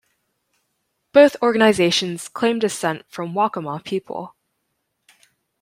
Both organizations claim descent from Waccamaw people.